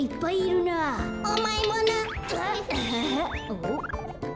おっ？